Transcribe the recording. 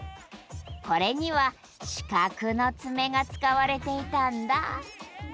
これには「四角」のツメが使われていたんだ